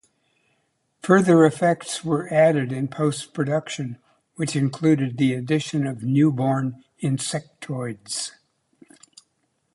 Further effects were added in post-production, which included the addition of newborn Insectoids.